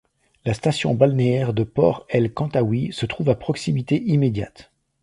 La station balnéaire de Port El-Kantaoui se trouve à proximité immédiate.